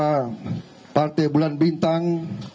karena partai bulan bintang